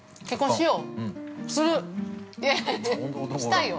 したいよ。